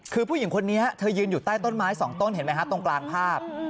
คือผู้หญิงคนนี้เธอยืนอยู่ใต้ต้นไม้สองต้นเห็นไหมฮะตรงกลางภาพ